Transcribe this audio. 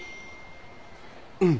うん。